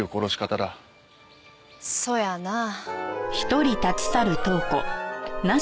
そやなあ。